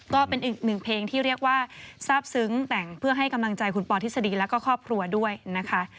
ก็เป็นอีกหนึ่งเพลงที่เรียกว่าทราบซึ้งแต่งเพื่อให้กำลังใจคุณปอทฤษฎีแล้วก็ครอบครัวด้วยนะคะ